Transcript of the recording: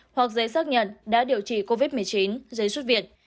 hoặc giấy xác nhận đã điều trị covid một mươi chín giấy xuất viện